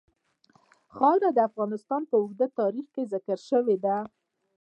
خاوره د افغانستان په اوږده تاریخ کې ذکر شوې ده.